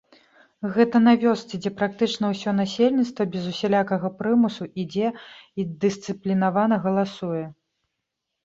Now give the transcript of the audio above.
Гэта на вёсцы, дзе практычна ўсё насельніцтва без усялякага прымусу ідзе і дысцыплінавана галасуе!